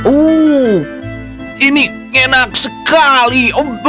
oh ini enak sekali